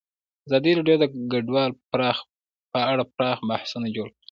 ازادي راډیو د کډوال په اړه پراخ بحثونه جوړ کړي.